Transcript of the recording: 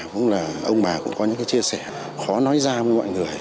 cũng là ông bà cũng có những cái chia sẻ khó nói ra với mọi người